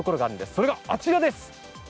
それがあちらです。